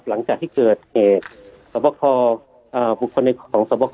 หลังจากที่เกิดเกรจสบพรครอ่าบุคคลในของสบพรคร